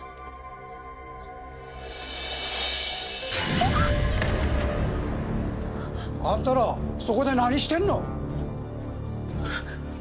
キャッ！あんたらそこで何してるの？